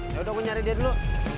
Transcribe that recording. yaudah gua nyari dia dulu